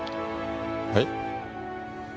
はい？